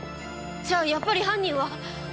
じゃあやっぱり犯人は。